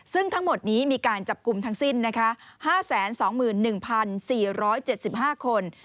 ซึ่งทั้งหมดนี้มีการจับกลุ่มทั้งสิ้น๕๒๑๔๗๕คน